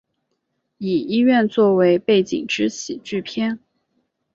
以医院作为背景之喜剧片。